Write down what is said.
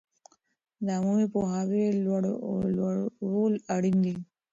د عمومي پوهاوي لوړول اړین دي.